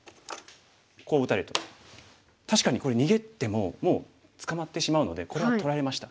こう打たれると確かにこれ逃げてももう捕まってしまうのでこれは取られました。